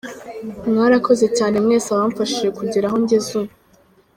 Mwarakoze cyane mwese abamfashije kugera aho ngeze ubu.